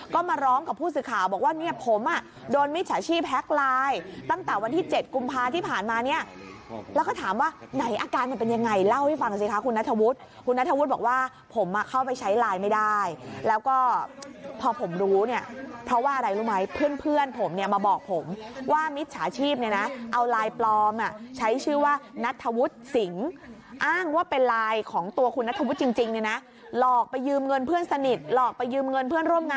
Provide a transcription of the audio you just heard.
ก็มาร้องกับผู้สื่อข่าวบอกว่าเนี่ยผมอ่ะโดนมิจฉาชีพแฮกไลน์ตั้งแต่วันที่๗กุมภาที่ผ่านมาเนี่ยแล้วก็ถามว่าไหนอาการมันเป็นยังไงเล่าให้ฟังสิคะคุณนัทธวุฒิสิงห์คุณนัทธวุฒิสิงห์บอกว่าผมอ่ะเข้าไปใช้ไลน์ไม่ได้แล้วก็พอผมรู้เนี่ยเพราะว่าอะไรรู้ไหมเพื่อนผมเนี่ยมาบอกผมว่ามิจฉาชีพ